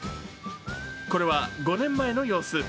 これは５年前の様子。